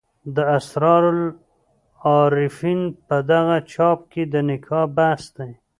د اسرار العارفین په دغه چاپ کې د نکاح بحث دی.